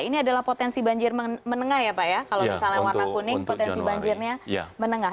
ini adalah potensi banjir menengah ya pak ya kalau misalnya warna kuning potensi banjirnya menengah